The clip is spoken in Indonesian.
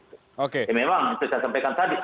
ya memang seperti saya sampaikan tadi